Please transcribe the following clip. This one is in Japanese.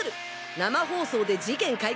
生放送で事件解決。